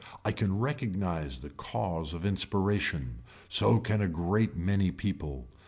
I can recognise the cause of inspiration. So can a great many people.